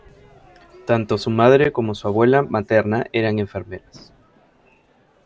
Tanto su madre como su abuela materna eran enfermeras.